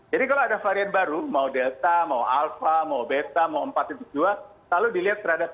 jadi kalau ada varian baru mau delta mau alpha mau beta mau empat dua selalu dilihat terhadap lima h